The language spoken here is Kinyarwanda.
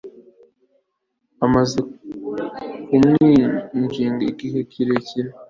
amaze kumwinginga igihe kirekire